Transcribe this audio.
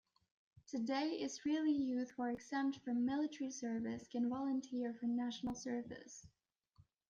Today, Israeli youth who are exempt from military service can volunteer for national service.